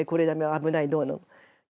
危ないどうの。